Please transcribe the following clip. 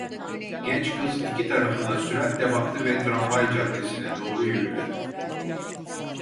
Genç kız iki tarafına süratle baktı ve tramvay caddesine doğru yürüdü.